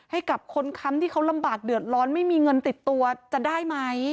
ให้กับคนค้ำที่เขาลำบากเดือดร้อนไม่มีเงินติดตัวจะได้ไหม